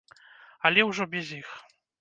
Але ўжо без іх.